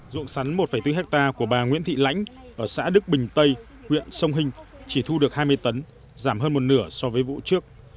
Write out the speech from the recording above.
dụng sắn một bốn hectare của bà nguyễn thị lãnh ở xã đức bình tây huyện sông hinh chỉ thu được hai mươi tấn giảm hơn một nửa so với vụ trước